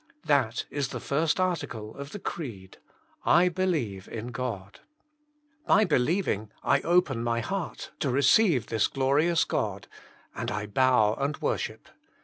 " That is the first article of the Creed —<< I believe in God." 1&^ belfet^fno 5 open m^ beart» to receive this glorious God, and I bow and worship.